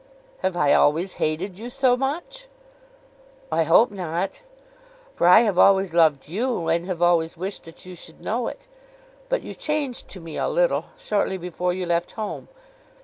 'Have I always hated you so much?' 'I hope not, for I have always loved you, and have always wished that you should know it. But you changed to me a little, shortly before you left home.